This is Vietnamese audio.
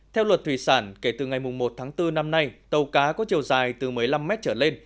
theo luật thủy sản kể từ ngày một tháng bốn năm nay tàu cá có chiều dài từ một mươi năm mét trở lên